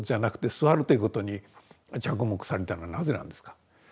座るということに着目されたのはなぜなんですか？